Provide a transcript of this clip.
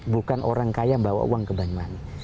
bukan orang kaya bawa uang ke banyuwangi